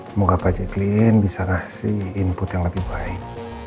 semoga pak jeklin bisa kasih input yang lebih baik